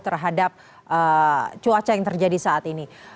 terhadap cuaca yang terjadi saat ini